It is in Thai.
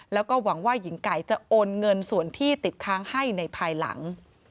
แล้วก็หวังว่าหญิงไก่จะโอนเงินส่วนที่ติดค้างให้ในภายหลัง